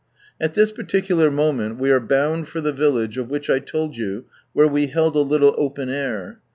At this particular moment we are bound for the village of which I told you where we held a liitle Open air.